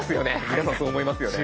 皆さんそう思いますよね。